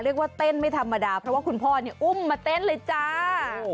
เรียกว่าเต้นไม่ธรรมดาเพราะว่าคุณพ่อเนี่ยอุ้มมาเต้นเลยจ้า